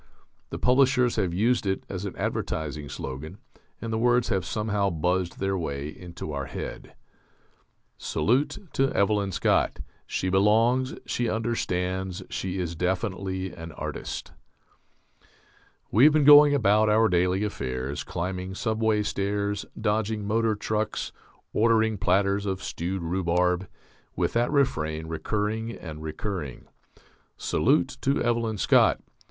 The publishers have used it as an advertising slogan, and the words have somehow buzzed their way into our head: "Salute to Evelyn Scott: she belongs, she understands, she is definitely an artist." We have been going about our daily affairs, climbing subway stairs, dodging motor trucks, ordering platters of stewed rhubarb, with that refrain recurring and recurring. _Salute to Evelyn Scott!